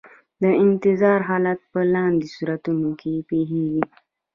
د انتظار حالت په لاندې صورتونو کې پیښیږي.